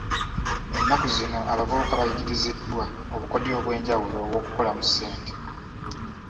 Ennaku zino abavubuka bayigiriziddwa obukodyo obwenjawulo obw'okukolamu ssente